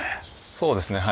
そうですねはい。